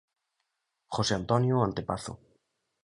Jose Antonio Antepazo.